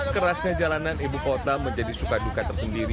kerasnya jalanan ibu kota menjadi suka duka tersendiri